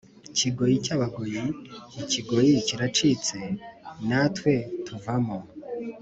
kigoyi cy abagoyi Ikigoyi kiracitse natwe tuvamo